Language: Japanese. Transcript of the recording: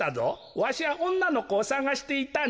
わしはおんなのこをさがしていたんじゃ！